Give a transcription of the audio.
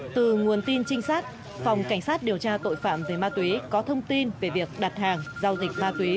từ nguồn tin trinh sát phòng cảnh sát điều tra tội phạm về ma túy có thông tin về việc đặt hàng giao dịch ma túy